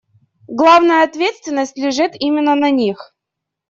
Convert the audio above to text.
Главная ответственность лежит именно на них.